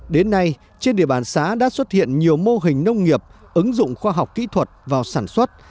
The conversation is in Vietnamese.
đến nay trên địa bàn xã đã xuất hiện nhiều mô hình nông nghiệp ứng dụng khoa học kỹ thuật vào sản xuất